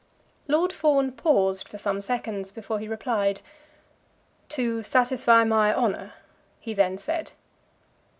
Lord Fawn paused for some seconds before he replied. "To satisfy my honour," he then said.